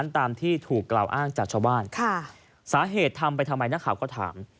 ตามที่ถูกกล่าวอ้างจากชาวบ้านสาเหตุทำไปทำไมนักข่าวก็ถาม